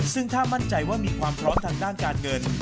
ซึ่งถ้ามั่นใจว่ามีความพร้อมทางด้านการเงิน